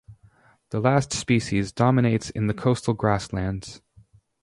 The last species dominates in the coastal grasslands.